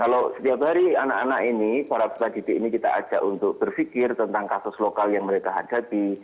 kalau setiap hari anak anak ini para peserta didik ini kita ajak untuk berpikir tentang kasus lokal yang mereka hadapi